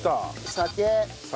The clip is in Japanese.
酒。